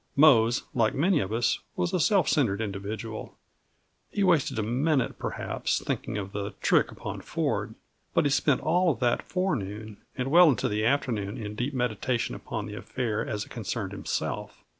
Mose, like many of us, was a self centered individual. He wasted a minute, perhaps, thinking of the trick upon Ford; but he spent all of that forenoon and well into the afternoon in deep meditation upon the affair as it concerned himself.